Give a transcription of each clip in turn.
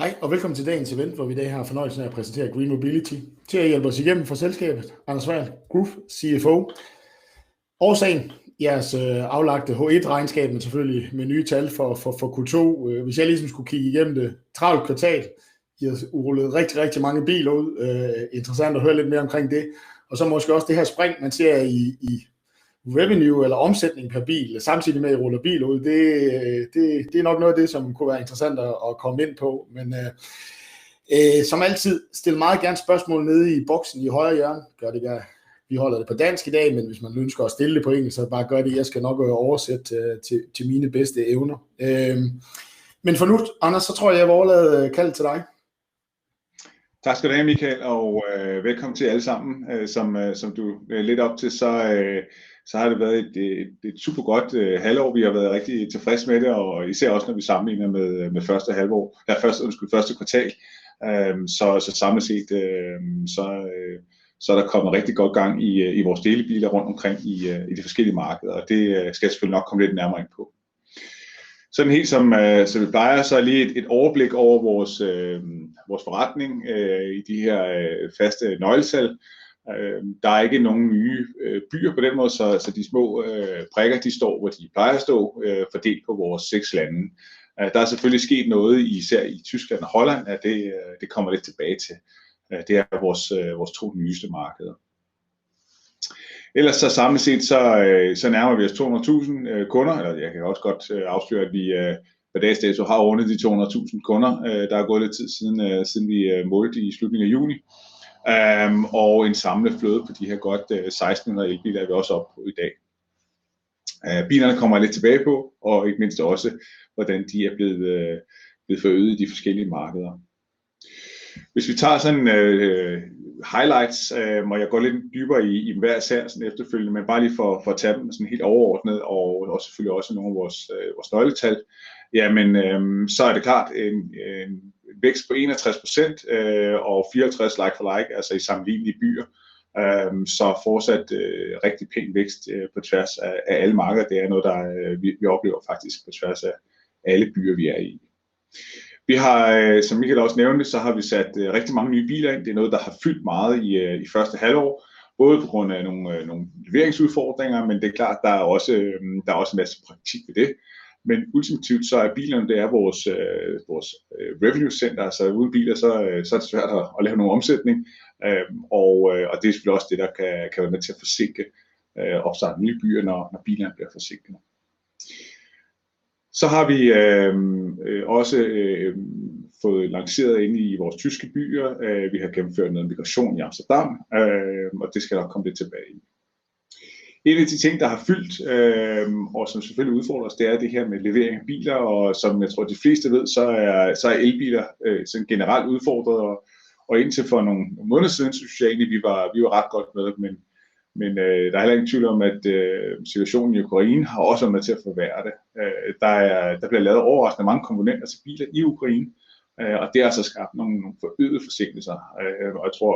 Hej og velkommen til dagens event, hvor vi i dag har fornøjelsen af at præsentere GreenMobility. Til at hjælpe os igennem for selskabet Anders Svendgaard Groth, CFO. Årsagen jeres aflagte H1 regnskab selvfølgelig med nye tal for Q2. Hvis jeg lige skulle kigge igennem det travle kvartal I har rullet rigtig rigtig mange biler ud. Interessant at høre lidt mere omkring det og så måske også det her spring man ser i revenue eller omsætning per bil samtidig med I ruller biler ud. Det er nok noget af det, som kunne være interessant at komme ind på. Men som altid stil meget gerne spørgsmål nede i boksen i højre hjørne. Gør det gerne. Vi holder det på dansk i dag, men hvis man ønsker at stille det på engelsk, så bare gør det. Jeg skal nok oversætte til mine bedste evner, men for nu Anders, så tror jeg, at jeg vil overlade kaldet til dig. Tak skal du have, Michael, og velkommen til jer alle sammen. Som du leder op til, så har det været et super godt halvår. Vi har været rigtig tilfreds med det og især også, når vi sammenligner med første halvår. Først, undskyld, første kvartal så. Samlet set så er der kommet rigtig godt i gang i vores delebiler rundt omkring i de forskellige markeder, og det skal jeg selvfølgelig nok komme lidt nærmere ind på. Sådan helt som vi plejer, så lige et overblik over vores forretning i de her faste nøgletal. Der er ikke nogen nye byer på den måde, så de små prikker de står, hvor de plejer at stå, fordelt på vores seks lande. Der er selvfølgelig sket noget, især i Tyskland og Holland. Det kommer lidt tilbage til. Det er vores to nyeste markeder, ellers så samlet set nærmer vi os 200,000 kunder. Eller jeg kan også godt afsløre, at vi pr. dags dato har rundet de 200,000 kunder. Der er gået lidt tid siden vi målte i slutningen af juni, og en samlet flåde på de her godt 1,600 elbiler er vi også oppe på i dag. Bilerne kommer jeg lidt tilbage på, og ikke mindst også hvordan de er blevet forøget i de forskellige markeder. Hvis vi tager sådan highlights og jeg går lidt dybere i hver salg efterfølgende. Men bare lige for at tage dem sådan helt overordnet. Selvfølgelig også nogle af vores nøgletal. Jamen så er det klart en vækst på 61% og 64% like-for-like altså i sammenlignelige byer. Så fortsat rigtig pæn vækst på tværs af alle markeder. Det er noget vi oplever faktisk på tværs af alle byer vi er i. Vi har som Michael også nævnte, så har vi sat rigtig mange nye biler ind. Det er noget, der har fyldt meget i første halvår, både på grund af nogle leveringsudfordringer. Det er klart, der er også en masse praktik ved det, men ultimativt så er bilerne vores revenue center. Altså uden biler, så er det svært at lave nogen omsætning, og det er selvfølgelig også det, der kan være med til at forsinke opstarten i nye byer, når bilerne bliver forsinket. Vi har også fået lanceret inde i vores tyske byer. Vi har gennemført en migration i Amsterdam, og det skal jeg nok komme lidt tilbage i. En af de ting, der har fyldt, og som selvfølgelig udfordrer os, det er det her med levering af biler, og som jeg tror de fleste ved, så er elbiler generelt udfordret, og indtil for nogle måneder siden synes jeg egentlig vi var ret godt med. Der er heller ingen tvivl om, at situationen i Ukraine har også været med til at forværre det. Der bliver lavet overraskende mange komponenter til biler i Ukraine, og det har så skabt nogle forøgede forsinkelser, og jeg tror,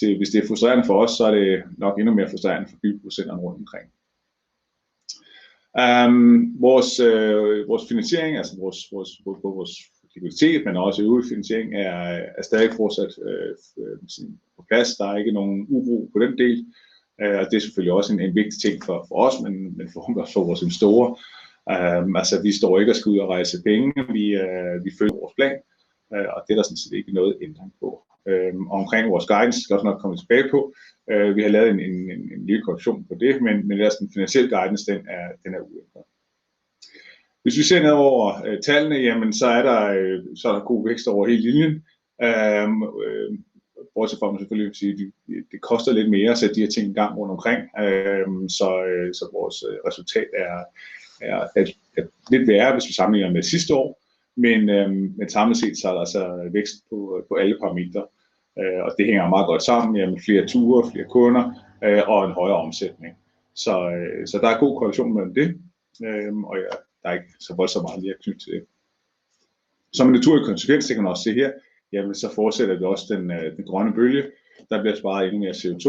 hvis det er frustrerende for os, så er det nok endnu mere frustrerende for bilproducenterne rundt omkring. Vores finansiering, altså vores både likviditet, men også øvrig finansiering er stadig fortsat på plads. Der er ikke nogen uro på den del, og det er selvfølgelig også en vigtig ting for os. Forhåbentlig for vores investorer. Altså, vi står ikke og skal ud og rejse penge, vi følger vores plan, og det er der sådan set ikke noget ændring på. Omkring vores guidance skal jeg også nok komme tilbage på. Vi havde lavet en lille korrektion på det, men ellers den finansielle guidance er uændret. Hvis vi ser ned over tallene, så er der så god vækst over hele linjen. Bortset fra at man selvfølgelig kan sige, at det koster lidt mere at sætte de her ting i gang rundt omkring. Så vores resultat er lidt værre, hvis vi sammenligner med sidste år. Men samlet set så er der altså vækst på alle parametre, og det hænger meget godt sammen med flere ture, flere kunder og en højere omsætning. Så der er god korrelation mellem det. Der er ikke så voldsomt meget mere at knytte til det. Som en naturlig konsekvens kan man også se her. Jamen, så fortsætter vi også den grønne bølge. Der bliver sparet endnu mere CO2,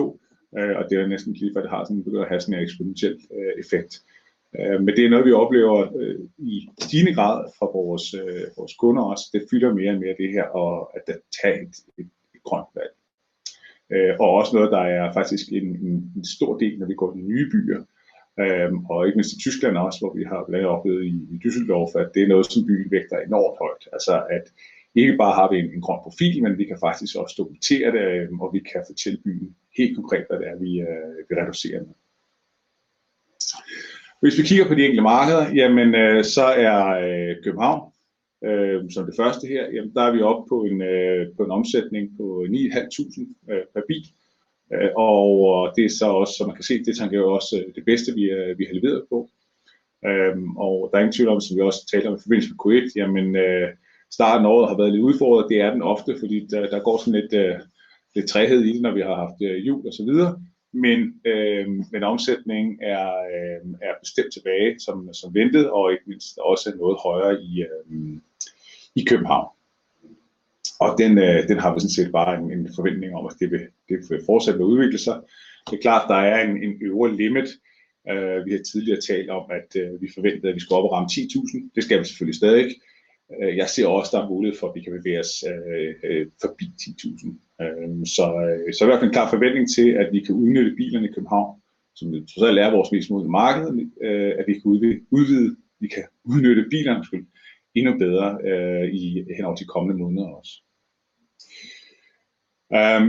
og det er næsten lige før det har begyndt at have en eksponentiel effekt. Men det er noget, vi oplever i stigende grad fra vores kunder, og det fylder mere og mere det her at tage et grønt valg og også noget der er faktisk en stor del, når vi går til nye byer og ikke mindst i Tyskland også, hvor vi har bl.a. åbnet i Düsseldorf. Det er noget, som byen vægter enormt højt. Altså at ikke bare har vi en grøn profil, men vi kan faktisk også dokumentere det, og vi kan fortælle byen helt konkret, hvad det er, vi reducerer med. Hvis vi kigger på de enkelte markeder, jamen så er København som det første her. Der er vi oppe på en omsætning på 9.5 tusind pr. bil, og det er så også, så man kan se det er også det bedste vi har leveret på. Der er ingen tvivl om, at som vi også talte om i forbindelse med Q1, jamen, starten af året har været lidt udfordret. Det er den ofte, fordi der går sådan lidt træghed i den, når vi har haft jul og så videre. Omsætningen er bestemt tilbage som ventet og ikke mindst også noget højere i København. Den har vi sådan set bare en forventning om, at det vil fortsætte med at udvikle sig. Det er klart, der er en øvre limit. Vi har tidligere talt om, at vi forventede, at vi skulle op og ramme 10 tusind. Det skal vi selvfølgelig stadigvæk. Jeg ser også, der er mulighed for, at vi kan bevæge os forbi 10,000. Der er en klar forventning til, at vi kan udnytte bilerne i København, som trods alt er vores mest modne marked, at vi kan udvide, vi kan udnytte bilerne endnu bedre hen over de kommende måneder også.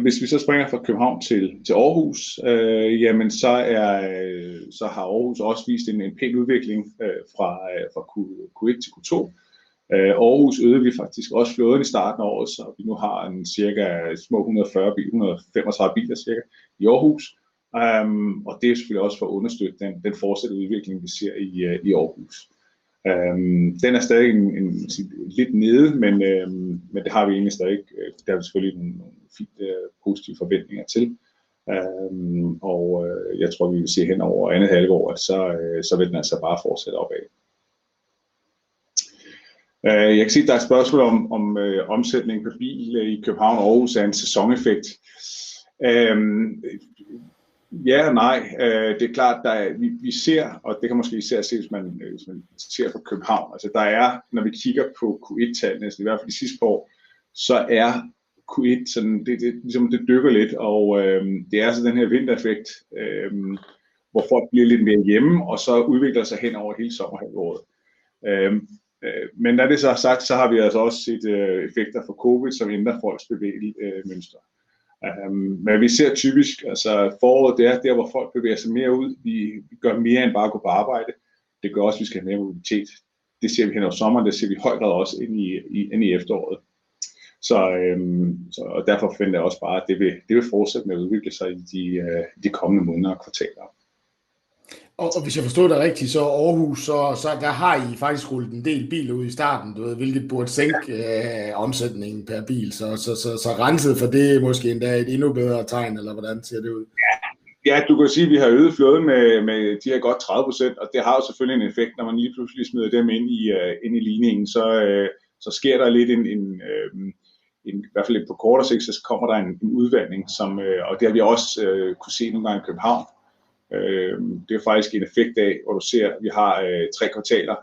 Hvis vi så springer fra København til Aarhus, jamen så har Aarhus også vist en pæn udvikling fra Q1 til Q2. Aarhus øgede vi faktisk også flåden i starten af året, så vi nu har cirka 135 biler cirka i Aarhus. Det er selvfølgelig også for at understøtte den fortsatte udvikling, vi ser i Aarhus. Den er stadigvæk lidt nede, men det har vi egentlig stadigvæk, det har vi selvfølgelig nogle positive forventninger til, og jeg tror, vi vil se hen over andet halvår, at så vil den altså bare fortsætte opad. Jeg kan se, der er et spørgsmål om omsætningen per bil i København og Aarhus er en sæson effekt. Ja og nej. Det er klart, der er, vi ser, og det kan måske især ses, hvis man ser på København. Altså der er, når vi kigger på Q1 tallene, i hvert fald de sidste par år, så er Q1 sådan, det er ligesom det dykker lidt, og det er altså den her vinter effekt, hvor folk bliver lidt mere hjemme og så udvikler sig hen over hele sommerhalvåret. Men når det så er sagt, så har vi altså også set effekter fra COVID, som ændrer folks bevægemønster. Vi ser typisk, altså foråret, det er der, hvor folk bevæger sig mere ud. De gør mere end bare at gå på arbejde. Det gør også, at vi skal have mere mobilitet. Det ser vi hen over sommeren. Det ser vi højere også ind i efteråret. Derfor forventer jeg også bare, at det vil fortsætte med at udvikle sig i de kommende måneder og kvartaler. Hvis jeg forstod dig rigtigt, så Aarhus, så der har I faktisk rullet en del biler ud i starten, hvilket burde sænke omsætningen per bil. Renset for det måske endda et endnu bedre tegn, eller hvordan ser det ud? Ja, du kan sige, vi har øget flåden med de her godt 30%, og det har jo selvfølgelig en effekt, når man lige pludselig smider dem ind i ligningen, så sker der lidt en i hvert fald på kortere sigt, så kommer der en udvanding, og det har vi også kunnet se nogle gange i København. Det er faktisk en effekt af, hvor du ser, vi har 3 kvartaler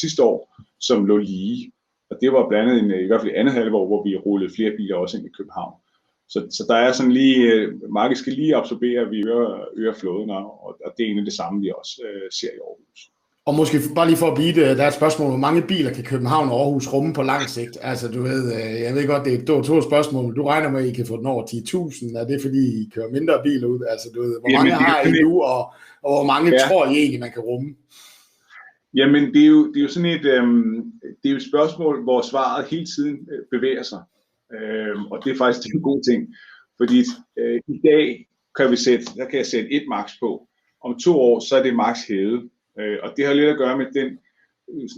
sidste år, som lå lige, og det var blandt andet i hvert fald i andet halvår, hvor vi rullede flere biler også ind i København. Der er sådan lige, markedet skal lige absorbere, at vi øger flåden nu, og det er egentlig det samme, vi også ser i Aarhus. Måske bare lige for at bide i det. Der er et spørgsmål: Hvor mange biler kan København og Aarhus rumme på lang sigt? Altså du ved, jeg ved godt, det er et dårligt spørgsmål, men du regner med, at I kan få den over 10,000. Er det fordi I kører mindre bil ud? Altså du ved, hvor mange har I nu, og hvor mange tror I egentlig man kan rumme? Det er jo et spørgsmål, hvor svaret hele tiden bevæger sig. Det er faktisk en god ting, fordi i dag kan vi sætte et max på. Der kan jeg sætte et max på. Om 2 år, så er det max hævet. Det har lidt at gøre med den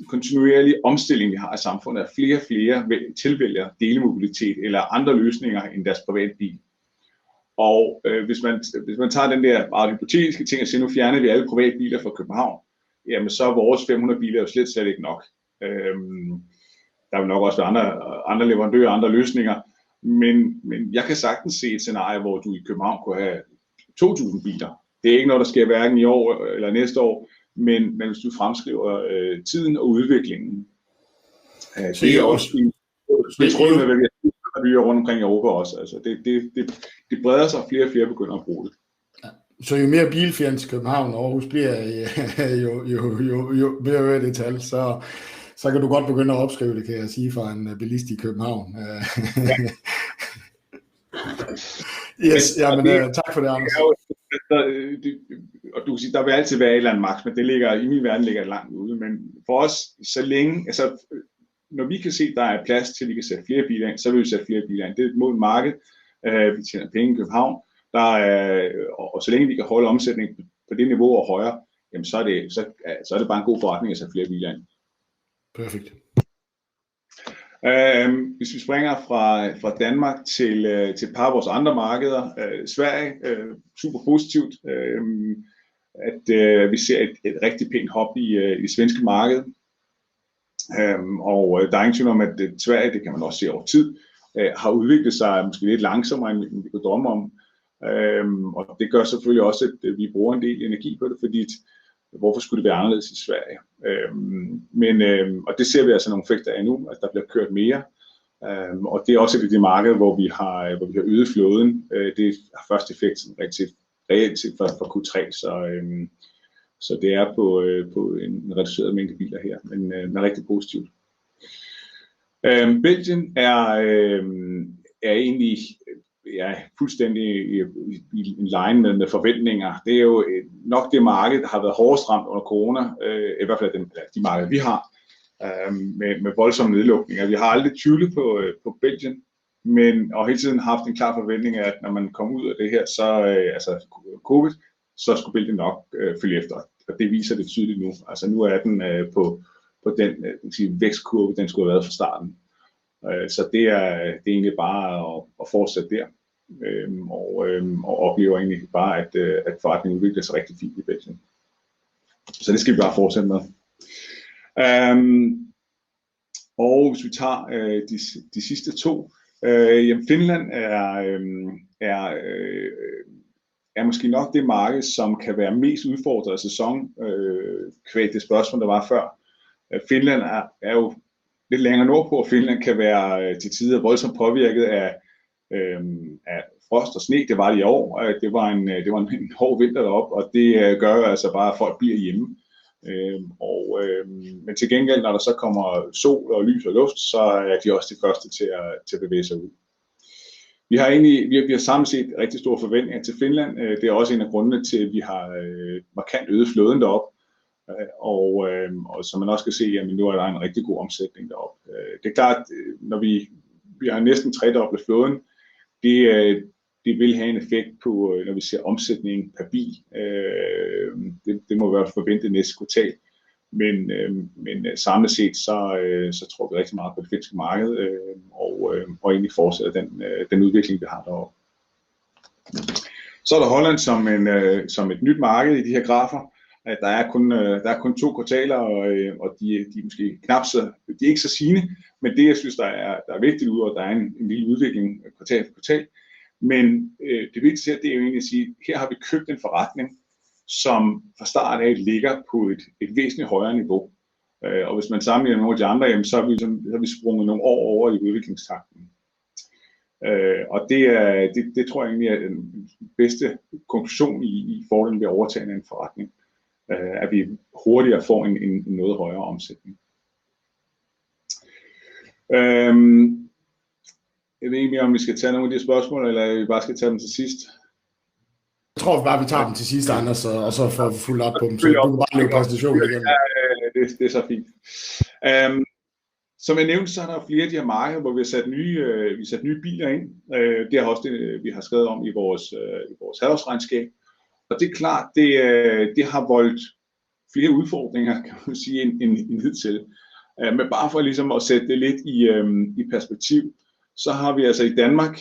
kontinuerlige omstilling, vi har i samfundet, at flere og flere vælger dele mobilitet eller andre løsninger end deres privatbil. Hvis man tager den der bare hypotetiske ting og siger nu fjerner vi alle privatbiler fra København, så er vores 500 biler jo slet ikke nok. Der vil nok også være andre leverandører og andre løsninger. Men jeg kan sagtens se et scenarie, hvor du i København kunne have 2,000 biler. Det er ikke noget, der sker hverken i år eller næste år. Hvis du fremskriver tiden og udviklingen, så er det også en rundt omkring i Europa også. Altså det breder sig, og flere og flere begynder at bruge det. Jo mere bilfri vores København og Aarhus bliver, jo mere øger det tal, så kan du godt begynde at opskrive det, kan jeg sige fra en bilist i København. Yes, jamen tak for det Anders. Du kan sige der vil altid være et eller andet Max, men det ligger i min verden langt ude. Men for os så længe, altså når vi kan se, at der er plads til, at vi kan sætte flere biler ind, så vil vi sætte flere biler ind. Det er et modent marked. Vi tjener penge i København. Der er, og så længe vi kan holde omsætningen på det niveau og højere, jamen så er det bare en god forretning at sætte flere biler ind. Perfekt. Hvis vi springer fra Danmark til et par af vores andre markeder. Sverige super positivt, at vi ser et rigtig pænt hop i svenske markedet. Der er ingen tvivl om, at Sverige, det kan man også se over tid, har udviklet sig måske lidt langsommere, end vi kunne drømme om. Det gør selvfølgelig også, at vi bruger en del energi på det, fordi hvorfor skulle det være anderledes i Sverige? Men det ser vi altså nogle effekter af nu, at der bliver kørt mere. Det er også et af de markeder, hvor vi har øget flåden. Det har først effekt rigtigt reelt set først fra Q3, så det er på en reduceret mængde biler her, men rigtig positivt. Belgien er egentlig ja fuldstændig in line med forventninger. Det er jo nok det marked, der har været hårdest ramt under corona, i hvert fald af de markeder vi har med voldsomme nedlukninger. Vi har aldrig tvivlet på Belgien, men og hele tiden haft en klar forventning af, at når man kom ud af det her, så altså COVID, så skulle Belgien nok følge efter. Det viser det tydeligt nu. Altså nu er den på den vækstkurve, den skulle have været fra starten. Det er egentlig bare at fortsætte der og oplever egentlig bare at forretningen udvikler sig rigtig fint i Belgien. Det skal vi bare fortsætte med. Hvis vi tager de sidste to. Jamen Finland er måske nok det marked, som kan være mest udfordret af sæson i betragtning af det spørgsmål, der var før. Finland er jo lidt længere nordpå, og Finland kan være til tider voldsomt påvirket af frost og sne. Det var de i år, og det var en hård vinter deroppe, og det gør altså bare, at folk bliver hjemme. Men til gengæld når der så kommer sol og lys og luft, så er de også de første til at bevæge sig ud. Vi har samlet set rigtig store forventninger til Finland. Det er også en af grundene til, at vi har markant øget flåden deroppe. Så man også kan se, at nu er der en rigtig god omsætning deroppe. Det er klart, når vi har næsten tredoblet flåden. Det vil have en effekt på, når vi ser omsætningen per bil. Det må være forventet næste kvartal. Samlet set, så tror vi rigtig meget på det finske marked og egentlig fortsætter den udvikling vi har deroppe. Er der Holland som et nyt marked i de her grafer. Der er kun 2 kvartaler, og de er ikke så sigende. Det jeg synes, der er vigtigt, udover at der er en lille udvikling kvartal for kvartal. Det vigtigste er jo egentlig at sige, her har vi købt en forretning, som fra start af ligger på et væsentligt højere niveau, og hvis man sammenligner med nogle af de andre, jamen så er vi sprunget nogle år over i udviklingstanken. Det tror jeg egentlig er den bedste konklusion i fordelene ved overtagelsen af en forretning. Vi hurtigere får en noget højere omsætning. Jeg ved ikke, om vi skal tage nogle af de spørgsmål, eller om vi bare skal tage dem til sidst. Jeg tror bare, vi tager dem til sidst Anders, og så får vi fulgt op på dem. Du kan bare lave præsentationen igennem. Ja ja, det er så fint. Som jeg nævnte, så er der flere af de her markeder, hvor vi satte nye biler ind. Det er også det, vi har skrevet om i vores halvårsregnskab, og det er klart, det har voldt flere udfordringer, kan man sige end hidtil. Bare for ligesom at sætte det lidt i perspektiv, så har vi altså i Danmark,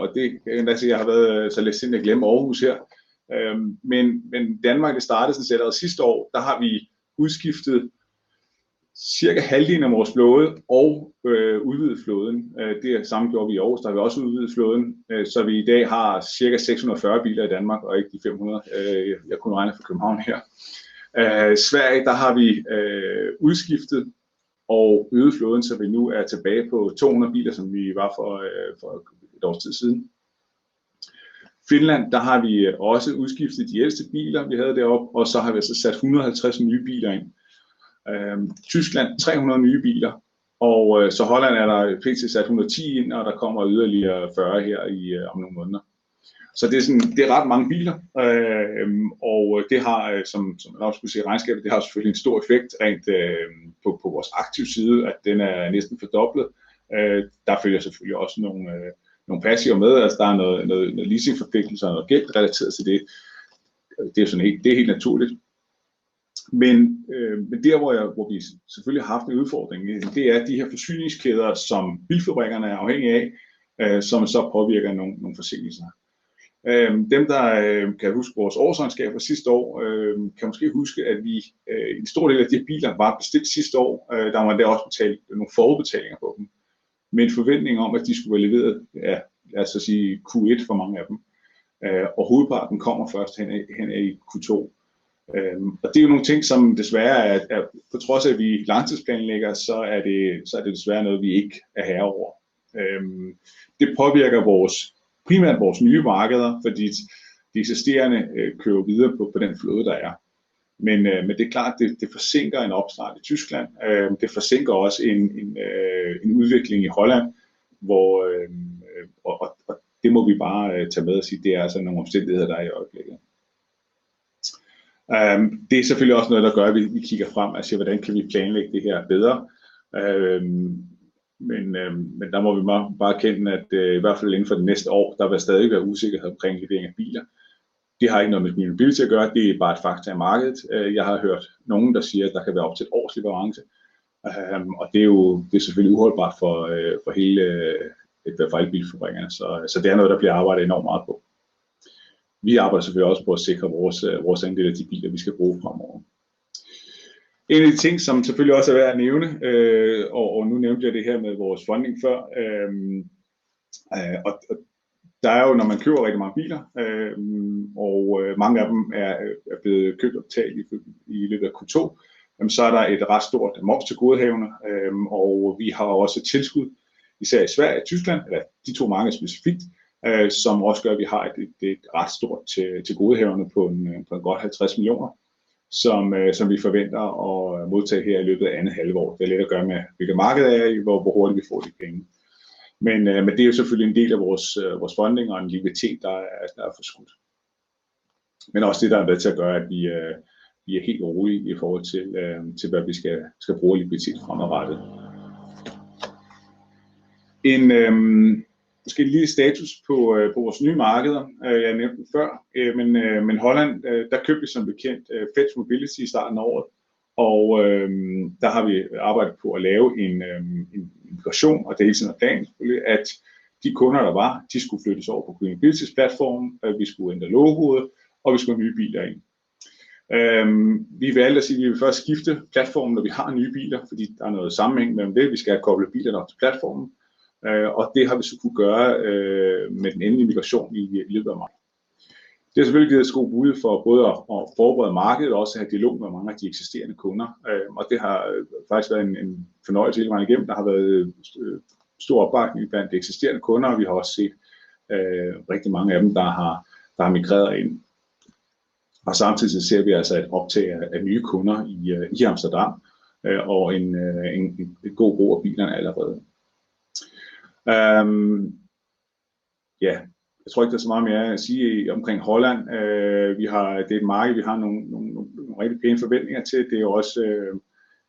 og det kan jeg godt se, jeg har været så letsindig at glemme Aarhus her. Danmark er startet sådan set allerede sidste år. Der har vi udskiftet cirka halvdelen af vores flåde og udvidet flåden. Det samme gjorde vi i Aarhus. Der har vi også udvidet flåden, så vi i dag har cirka 640 biler i Danmark og ikke de 500. Jeg kunne regne fra København her. Sweden, der har vi udskiftet og øget flåden, så vi nu er tilbage på 200 biler, som vi var for et års tid siden. Finland, der har vi også udskiftet de ældste biler, vi havde deroppe, og så har vi altså sat 150 nye biler ind. Germany 300 nye biler og så Netherlands er der pt. sat 110 ind, og der kommer yderligere 40 her om nogle måneder. Det er ret mange biler, og det har, som man også kunne se i regnskabet, det har selvfølgelig en stor effekt rent på vores aktivside, at den er næsten fordoblet. Der følger selvfølgelig også nogle passiver med. Altså der er noget leasingforpligtelser og noget gæld relateret til det. Det er helt naturligt. Der hvor vi selvfølgelig har haft en udfordring, det er de her forsyningskæder, som bilfabrikkerne er afhængige af, som så påvirker nogle forsinkelser. Dem der kan huske vores årsregnskab fra sidste år kan måske huske, at vi en stor del af de biler, der var bestilt sidste år, der var også betalt nogle forudbetalinger på dem med en forventning om, at de skulle være leveret af, lad os sige Q1 for mange af dem. Hovedparten kommer først hen ad i Q2. Det er jo nogle ting, som desværre er på trods af at vi langtidsplanlægger, så er det desværre noget, vi ikke er herre over. Det påvirker vores primært nye markeder, fordi de eksisterende kører videre på den flåde, der er. Det er klart, det forsinker en opstart i Tyskland. Det forsinker også en udvikling i Holland, og det må vi bare tage med og sige, det er altså nogle omstændigheder, der er i øjeblikket. Det er selvfølgelig også noget, der gør, at vi kigger frem og siger hvordan kan vi planlægge det her bedre? Men der må vi bare erkende, at i hvert fald inden for det næste år, der vil stadig være usikkerhed omkring levering af biler. Det har ikke noget med GreenMobility at gøre. Det er bare et fakta i markedet. Jeg har hørt nogle, der siger, at der kan være op til et års leverance, og det er jo selvfølgelig uholdbart for hele bilfabrikkerne. Så det er noget, der bliver arbejdet enormt meget på. Vi arbejder selvfølgelig også på at sikre vores andel af de biler, vi skal bruge fremover. En af de ting, som selvfølgelig også er værd at nævne. Nu nævnte jeg det her med vores funding før. Der er jo, når man køber rigtig mange biler, og mange af dem er blevet købt og betalt i løbet af Q2, jamen så er der et ret stort momstilgodehavende. Vi har også tilskud især i Sverige og Tyskland, eller de to markeder specifikt, som også gør, at vi har et ret stort tilgodehavende på en godt 50 million, som vi forventer at modtage her i løbet af andet halvår. Det har lidt at gøre med hvilket marked er i, hvor hurtigt vi får de penge. Det er jo selvfølgelig en del af vores funding og en likviditet, der er forskudt. Også det der er med til at gøre, at vi er helt rolige i forhold til hvad vi skal bruge af likviditet fremadrettet. Måske et lille status på vores nye markeder. Jeg nævnte dem før, men Holland, der købte vi som bekendt Fetch Mobility i starten af året. Der har vi arbejdet på at lave en migration, og det er hele tiden planen, at de kunder der var skulle flyttes over på GreenMobilitys platform. Vi skulle ændre logoet og vi skulle have nye biler ind. Vi valgte at sige, at vi vil først skifte platform, når vi har nye biler, fordi der er noget sammenhæng mellem det, vi skal have koblet bilerne op til platformen, og det har vi så kunnet gøre med den endelige migration i løbet af maj. Det har selvfølgelig givet os god mulighed for både at forberede markedet og også have dialog med mange af de eksisterende kunder, og det har faktisk været en fornøjelse hele vejen igennem. Der har været stor opbakning iblandt eksisterende kunder, og vi har også set rigtig mange af dem, der er migreret ind. Samtidig ser vi altså et optag af nye kunder i Amsterdam og en god brug af bilerne allerede. Ja, jeg tror ikke der er så meget mere at sige omkring Holland. Det er et marked, vi har nogle pæne forventninger til. Det er også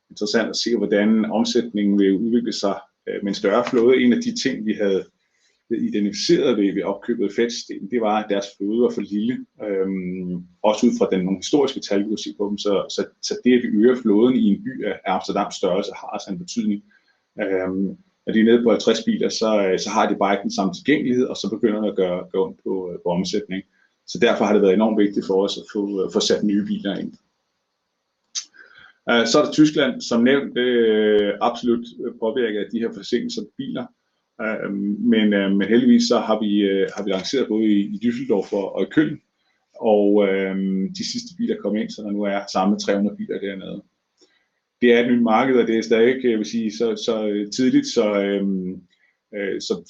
interessant at se, hvordan omsætningen vil udvikle sig med en større flåde. En af de ting, vi havde identificeret ved opkøbet af Fetch, det var, at deres flåde var for lille. Ud fra nogle historiske tal kunne vi se på dem. Det at vi øger flåden i en by af Amsterdams størrelse har altså en betydning. Når de er nede på 50 biler, så har de bare ikke den samme tilgængelighed, og så begynder det at gøre ondt på omsætningen. Derfor har det været enormt vigtigt for os at få sat nye biler ind. Der er Tyskland som nævnt absolut påvirket af de her forsinkelser på biler. Men heldigvis så har vi lanceret både i Düsseldorf og i Köln og de sidste biler kom ind, så der nu er samlet 300 biler dernede. Det er et nyt marked, og det er stadig så tidligt,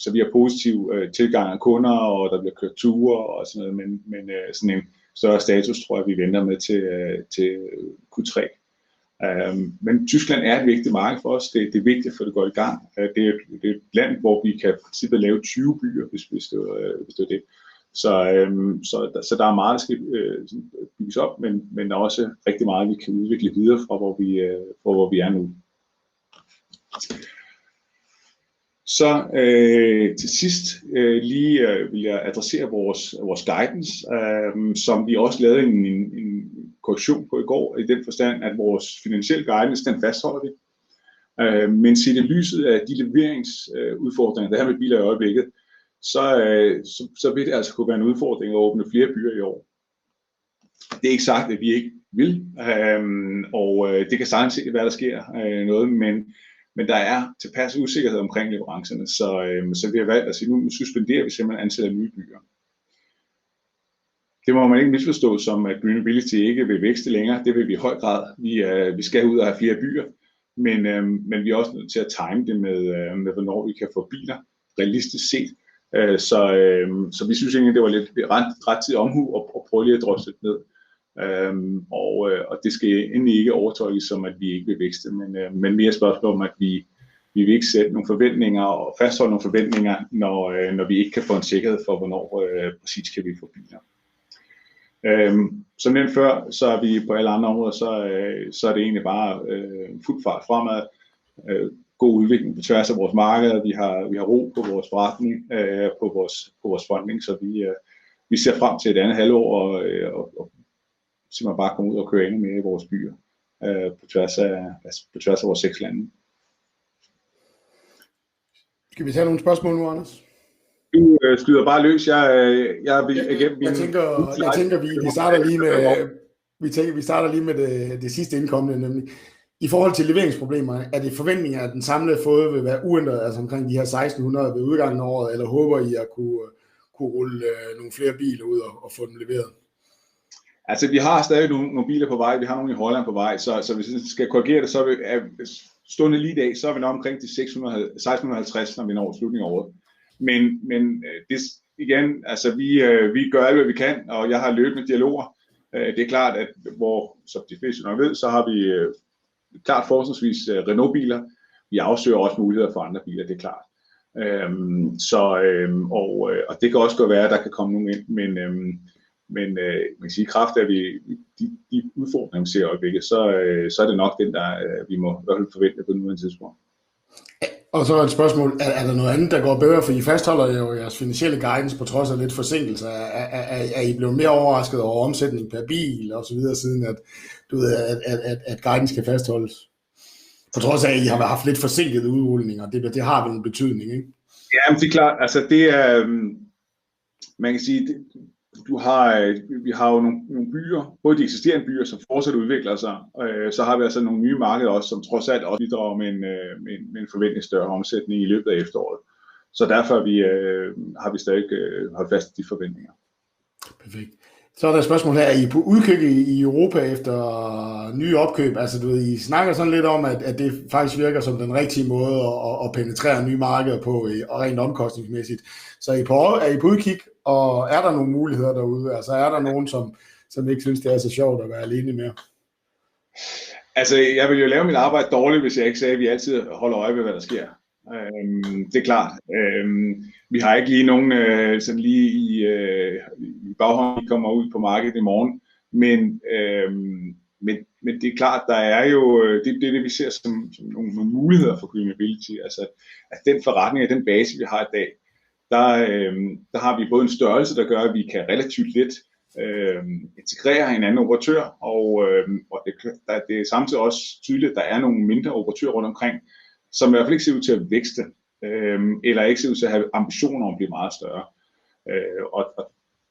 så vi har positiv tilgang af kunder, og der bliver kørt ture og sådan noget. Men sådan en større status tror jeg, vi venter med til Q3. Men Tyskland er et vigtigt marked for os. Det er vigtigt at få det godt i gang. Det er et land, hvor vi kan i princippet lave 20 byer, hvis det var det. Så der er meget, der skal bygges op. Men der er også rigtig meget, vi kan udvikle videre fra, hvor vi er nu. Så til sidst lige ville jeg adressere vores guidance, som vi også lavede en korrektion på i går, i den forstand at vores finansielle guidance den fastholder vi. Men set i lyset af de leveringsudfordringer, der er med biler i øjeblikket, så vil det altså kunne være en udfordring at åbne flere byer i år. Det er ikke sagt, at vi ikke vil, og det kan sagtens være, der sker noget. Men der er tilpas usikkerhed omkring leverancerne, så vi har valgt at sige nu suspenderer vi simpelthen antallet af nye byer. Det må man ikke misforstå som at GreenMobility ikke vil vækste længere. Det vil vi i høj grad. Vi skal ud og have flere byer. Men vi er også nødt til at timere det med, hvornår vi kan få biler realistisk set. Så vi synes egentlig, det var lidt rettidig omhu at prøve lige at drosle det ned. Det skal endelig ikke fortolkes som at vi ikke vil vækste, men mere et spørgsmål om at vi vil ikke sætte nogle forventninger og fastholde nogle forventninger, når vi ikke kan få en sikkerhed for, hvornår præcist kan vi få bilerne. Som nævnt før, så er vi på alle andre områder, så er det egentlig bare fuld fart fremad. God udvikling på tværs af vores markeder. Vi har. Vi har ro på vores forretning, på vores funding, så vi ser frem til et andet halvår og simpelthen bare komme ud og køre endnu mere i vores byer på tværs af vores seks lande. Skal vi tage nogle spørgsmål nu, Anders? Du skyder bare løs. Jeg er igennem. Vi tænker, at vi starter lige med det sidst indkomne, nemlig i forhold til leveringsproblemer. Er det forventningen, at den samlede flåde vil være uændret omkring de her 1600 ved udgangen af året? Eller håber I at kunne rulle nogle flere biler ud og få dem leveret? Altså, vi har stadig nogle biler på vej. Vi har nogle i Holland på vej, så hvis jeg skal korrigere det, så er vi stående lige i dag. Så er vi nok omkring de 600-1,650 når vi når slutningen af året. Men igen, altså vi gør alt hvad vi kan, og jeg har løbende dialoger. Det er klart, at hvor som de fleste nok ved, så har vi klart fortrinsvis Renault biler. Vi afsøger også muligheder for andre biler. Det er klart så, og det kan også godt være, at der kan komme nogle ind. Men man kan sige i kraft af videre udfordringer vi ser i øjeblikket, så er det nok den der vi må forvente på nuværende tidspunkt. Er der et spørgsmål? Er der noget andet der går bedre? For I fastholder jo jeres finansielle guidance på trods af lidt forsinkelser. Er I blevet mere overrasket over omsætning per bil og så videre, siden at du ved at guiden skal fastholdes på trods af at I har haft lidt forsinkede udrulninger. Det har vel en betydning, ikke? Ja, det er klart. Altså det man kan sige du har. Vi har jo nogle byer. Både de eksisterende byer, som fortsat udvikler sig, og så har vi altså nogle nye markeder også, som trods alt også bidrager med en forventning større omsætning i løbet af efteråret. Derfor har vi stadig holdt fast i de forventninger. Perfekt. Er der et spørgsmål her. Er I på udkig i Europa efter nye opkøb? Altså, I snakker sådan lidt om, at det faktisk virker som den rigtige måde at penetrere nye markeder på rent omkostningsmæssigt. I er på udkig, og er der nogle muligheder derude? Altså er der nogen, som ikke synes, det er så sjovt at være alene mere? Altså, jeg ville jo lave mit arbejde dårligt, hvis jeg ikke sagde, at vi altid holder øje med, hvad der sker. Det er klart. Vi har ikke lige nogen sådan lige i baghånden. Vi kommer ud på markedet i morgen. Det er klart, der er jo det vi ser som nogle muligheder for GreenMobility. Altså at den forretning og den base vi har i dag. Der har vi både en størrelse, der gør, at vi kan relativt let integrere en anden operatør, og det er samtidig også tydeligt, at der er nogle mindre operatører rundt omkring, som i hvert fald ikke ser ud til at vækste eller ikke ser ud til at have ambitioner om at blive meget større.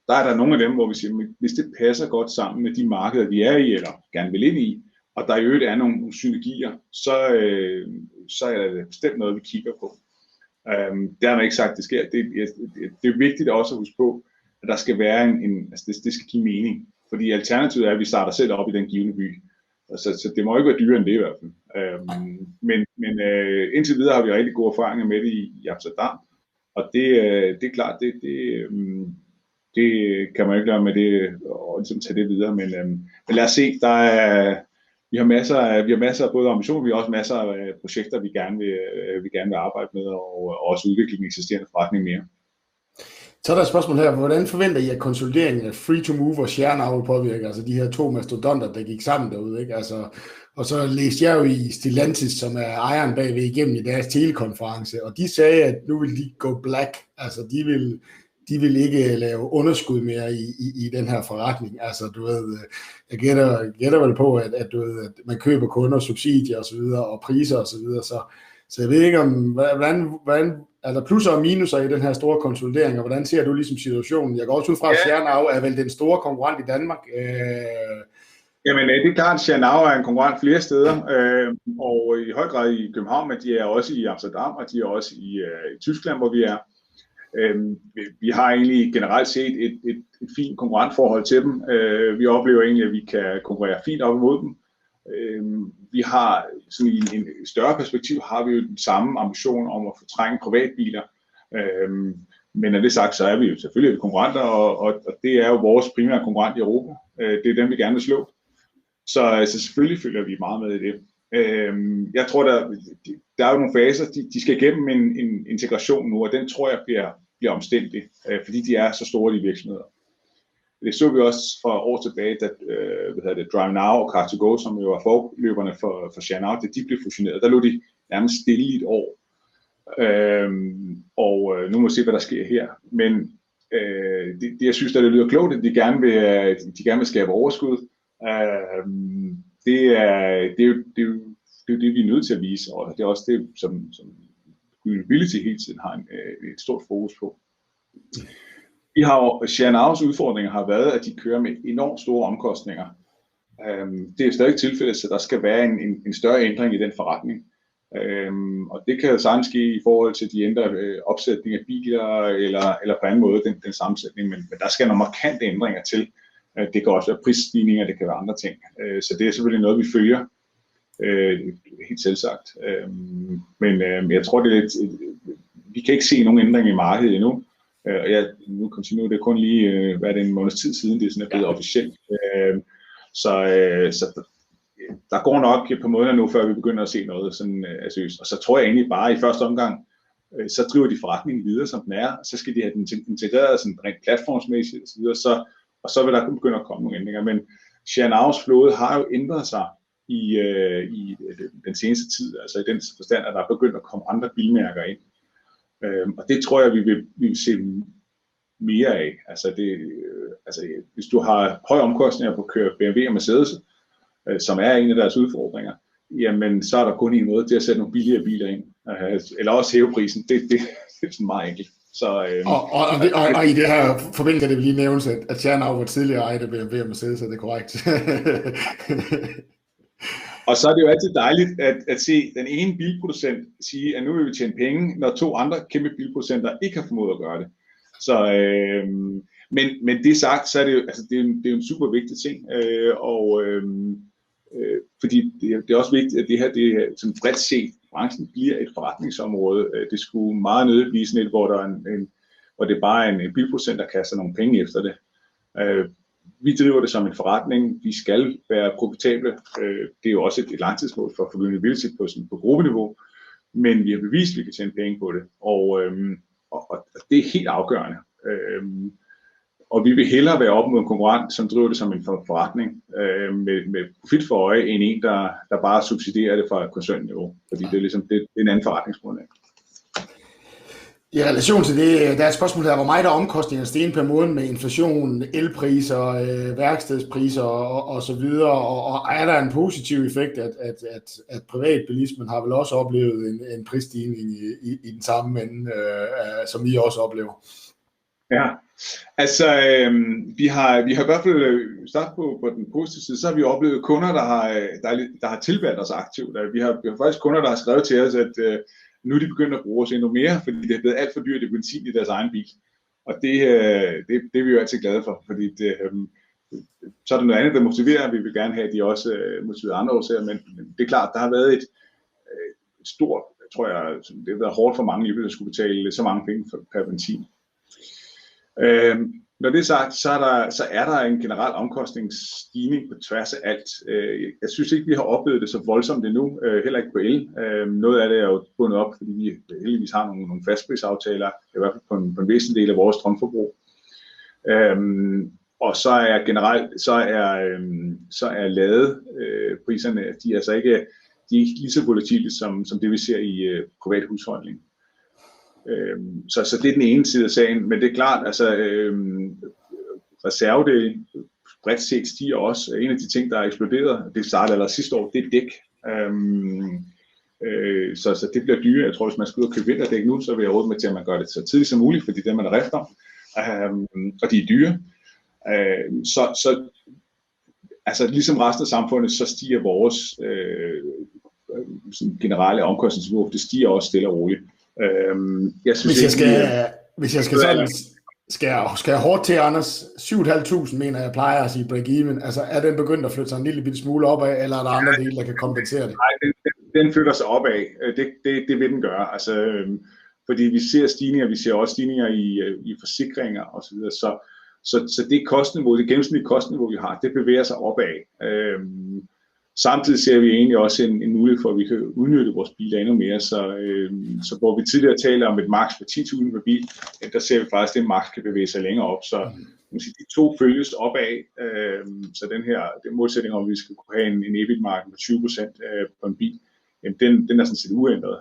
Der er nogle af dem, hvor vi siger, at hvis det passer godt sammen med de markeder, vi er i eller gerne vil ind i, og der i øvrigt er nogle synergier, så er det bestemt noget, vi kigger på. Dermed ikke sagt det sker. Det er vigtigt også at huske på, at der skal være en, det skal give mening, fordi alternativet er, at vi starter selv op i den givne by. Det må ikke være dyrere end det i hvert fald. Indtil videre har vi rigtig gode erfaringer med det i Amsterdam, og det er klart, det kan man jo ikke gøre med det og ligesom tage det videre. Lad os se. Der er masser af både ambitioner, vi har også masser af projekter, vi gerne vil arbejde med og også udvikle den eksisterende forretning mere. Er der et spørgsmål her. Hvordan forventer I, at konsolideringen af Free2Move og Share Now vil påvirke de her to mastodonter, der gik sammen derude? Og så læste jeg jo i Stellantis, som er ejeren bagved igennem i deres telekonference, og de sagde, at nu vil de go black. Altså de vil ikke lave underskud mere i den her forretning. Altså du ved, jeg gætter vel på, at man køber kunder, subsidier og så videre og priser og så videre. Jeg ved ikke om, hvordan er der plusser og minusser i den her store konsolidering, og hvordan ser du ligesom situationen? Jeg går ud fra, at Share Now er vel den store konkurrent i Danmark. Det er klart, at Share Now er en konkurrent flere steder og i høj grad i København. De er også i Amsterdam, og de er også i Tyskland, hvor vi er. Vi har egentlig generelt set et fint konkurrentforhold til dem. Vi oplever egentlig, at vi kan konkurrere fint op imod dem. Vi har i et større perspektiv jo den samme ambition om at fortrænge privatbiler. Når det er sagt, så er vi jo selvfølgelig konkurrenter, og det er jo vores primære konkurrent i Europa. Det er dem, vi gerne vil slå. Selvfølgelig følger vi meget med i det. Jeg tror, der er nogle faser, de skal igennem en integration nu, og den tror jeg bliver omstændig, fordi de er så store de virksomheder. Det så vi også for år tilbage, da DriveNow og car2go, som jo var forløberne for Share Now, da de blev fusioneret. Der lå de nærmest stille i et år, og nu må vi se, hvad der sker her. Men jeg synes da, det lyder klogt, at de gerne vil skabe overskud. Det er jo det, vi er nødt til at vise. Det er også det, som Mobility hele tiden har et stort fokus på. Vi har jo Share Now's udfordringer har været, at de kører med enormt store omkostninger. Det er stadig tilfældet, så der skal være en større ændring i den forretning, og det kan sagtens ske i forhold til de ændrer opsætning af biler eller på anden måde den sammensætning. Men der skal nogle markante ændringer til. Det kan også være prisstigninger, det kan være andre ting. Så det er selvfølgelig noget, vi følger. Helt selvsagt. Men jeg tror, det er lidt. Vi kan ikke se nogen ændring i markedet endnu. Nu er det kun lige en måneds tid siden, det er blevet officielt, så der går nok et par måneder nu, før vi begynder at se noget seriøst. Så tror jeg egentlig bare i første omgang, så driver de forretningen videre, som den er. Så skal de have den integreret rent platformsmæssigt og så videre. Og så vil der begynder at komme nogle ændringer. Men Share Now's flåde har jo ændret sig i den seneste tid. Altså i den forstand at der er begyndt at komme andre bilmærker ind, og det tror jeg, vi vil se mere af. Altså hvis du har høje omkostninger på at køre BMW og Mercedes, som er en af deres udfordringer, jamen så er der kun en måde til at sætte nogle billigere biler ind eller også hæve prisen. Det er meget enkelt. I den her forbindelse kan det lige nævnes, at Share Now var tidligere ejet af BMW og Mercedes, er det korrekt? Er det jo altid dejligt at se den ene bilproducent sige, at nu vil vi tjene penge, når to andre kæmpe bilproducenter ikke har formået at gøre det. Men med det sagt, er det jo en super vigtig ting, og fordi det er også vigtigt, at det her det sådan bredt set branchen bliver et forretningsområde. Det skulle meget nødvendigt blive sådan et, hvor der er en, hvor det bare er en bilproducent, der kaster nogle penge efter det. Vi driver det som en forretning. Vi skal være profitable. Det er også et langtidsmål for Mobility på gruppeniveau. Vi har bevist, at vi kan tjene penge på det, og det er helt afgørende. Vi vil hellere være oppe mod en konkurrent, som driver det som en forretning med profit for øje end en, der bare subsidierer det fra koncernniveau, fordi det er ligesom en anden forretningsmodel. I relation til det. Der er et spørgsmål her hvor meget er omkostningerne steget per måned med inflation, elpriser, værkstedspriser og så videre? Er der en positiv effekt af at privatbilismen har vel også oplevet en prisstigning i den samme ende, som I også oplever? Ja, altså vi har i hvert fald start på den positive side, så har vi oplevet kunder, der har tilvalgt os aktivt. Vi har faktisk kunder, der har skrevet til os, at nu er de begyndt at bruge os endnu mere, fordi det er blevet alt for dyrt i benzin i deres egen bil, og det er vi jo altid glade for, fordi så er der noget andet, der motiverer. Vi vil gerne have, at de også motiveres af andre årsager, men det er klart, at der har været et stort, tror jeg. Det har været hårdt for mange lige pludselig at skulle betale så mange penge pr. benzin. Når det er sagt, så er der en generel omkostningsstigning på tværs af alt. Jeg synes ikke, vi har oplevet det så voldsomt endnu. Heller ikke på el. Noget af det er jo bundet op, fordi vi heldigvis har nogle fastprisaftaler. I hvert fald på en vis del af vores strømforbrug. Generelt er ladepriserne ikke lige så volatile som det vi ser i private husholdninger. Det er den ene side af sagen. Det er klart, at reservedele bredt set stiger også. En af de ting, der er eksploderet, startede allerede sidste år. Det er dæk. Det bliver dyrere. Jeg tror, at hvis man skal ud og købe vinterdæk nu, vil jeg råde dem til, at man gør det så tidligt som muligt, fordi der er rift om dem, og de er dyre. Ligesom resten af samfundet stiger vores generelle omkostningsniveau. Det stiger også stille og roligt. Hvis jeg skal være ærlig, skal jeg hårdt til Anders. 7,500 mener jeg plejer at sige break even. Altså er den begyndt at flytte sig en lille bitte smule op, eller er der andre dele, der kan kompensere det? Den flytter sig opad. Det vil den gøre. Altså fordi vi ser stigninger. Vi ser også stigninger i forsikringer og så videre. Det kostniveau, det gennemsnitlige kostniveau vi har, det bevæger sig opad. Samtidig ser vi egentlig også en mulighed for, at vi kan udnytte vores biler endnu mere. Hvor vi tidligere talte om et maks på 10,000 pr. Bil, der ser vi faktisk den marg kan bevæge sig længere op, så de to følges op ad. Den her målsætning om at vi skal kunne have en EBIT margen på 20% på en bil, den er sådan set uændret.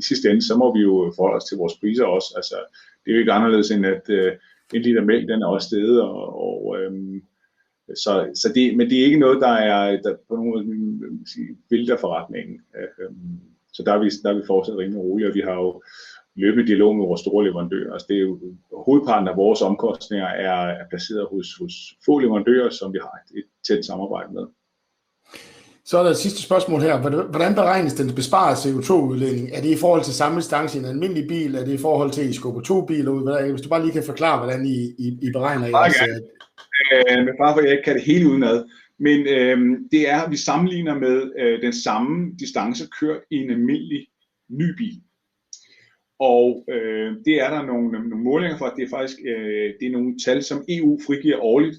I sidste ende, så må vi jo forholde os til vores priser også. Altså, det er jo ikke anderledes end at en liter mælk er også steget og så. Det er ikke noget der er på nogen måde vælter forretningen. Der er vi. Der er vi fortsat rimelig rolige, og vi har jo løbende dialog med vores store leverandører. Det er jo hovedparten af vores omkostninger er placeret hos få leverandører, som vi har et tæt samarbejde med. Er der sidste spørgsmål her? Hvordan beregnes den besparede CO2 udledning? Er det i forhold til samme distance i en almindelig bil? Er det i forhold til I skubber to biler ud? Hvis du bare lige kan forklare hvordan I beregner jeres. Bare for at jeg ikke kan det hele udenad. Det er vi sammenligner med den samme distancen kørt i en almindelig ny bil, og det er der nogle målinger for. Det er faktisk. Det er nogle tal, som EU frigiver årligt,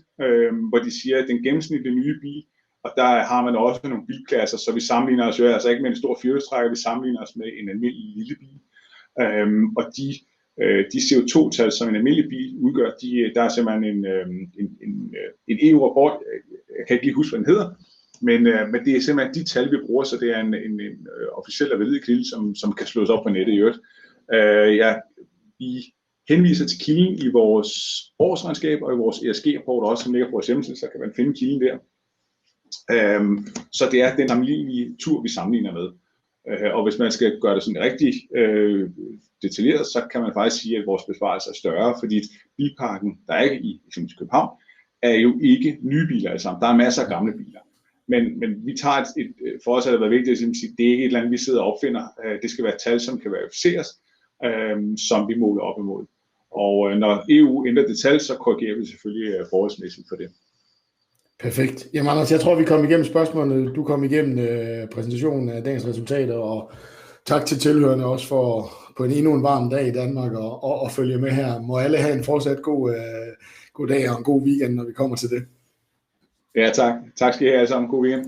hvor de siger at den gennemsnitlige nye bil og der har man også nogle bilklasser. Vi sammenligner os jo altså ikke med en stor firhjulstrækker. Vi sammenligner os med en almindelig lille bil og de CO2 tal som en almindelig bil udgør de. Der er simpelthen en EU award. Jeg kan ikke lige huske hvad den hedder. Det er simpelthen de tal vi bruger, så det er en officiel og valid kilde, som kan slås op på nettet. I øvrigt ja, vi henviser til kilden i vores årsregnskab og i vores ESG rapport, der også ligger på vores hjemmeside, så kan man finde kilden der. Det er den almindelige tur, vi sammenligner med. Hvis man skal gøre det sådan rigtig detaljeret, så kan man faktisk sige, at vores besparelse er større, fordi bilparken der er i København er jo ikke nye biler allesammen. Der er masser af gamle biler, men vi tager et. For os har det været vigtigt at det ikke er et eller andet, vi sidder og opfinder. Det skal være tal, som kan verificeres, som vi måler op imod. Når EU ændrer det tal, så korrigerer vi selvfølgelig forholdsmæssigt for det. Perfekt. Jamen Anders, jeg tror vi kom igennem spørgsmålene. Du kom igennem præsentationen af dagens resultater og tak til tilhørerne også for på endnu en varm dag i Danmark og følge med her. Må alle have en fortsat god dag og en god weekend, når vi kommer til det. Ja, tak. Tak skal I have, alle sammen. God weekend.